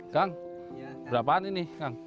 kang berapaan ini